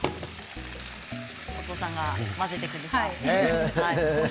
お父さんが混ぜてくれた。